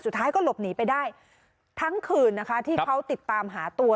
สุดท้ายก็หลบหนีไปได้ทั้งคืนนะคะที่เขาติดตามหาตัว